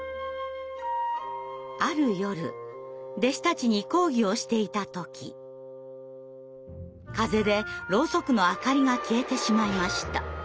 ある夜弟子たちに講義をしていた時風でろうそくの明かりが消えてしまいました。